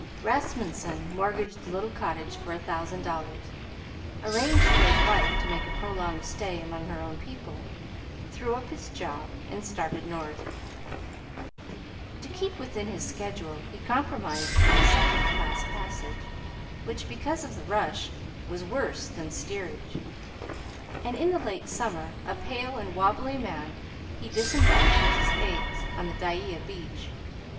Rasmunsen mortgaged the little cottage for a thousand dollars, arranged for his wife to make a prolonged stay among her own people, threw up his job, and started North. To keep within his schedule he compromised on a second class passage, which, because of the rush, was worse than steerage; and in the late summer, a pale and wabbly man, he disembarked with his eggs on the Dyea beach.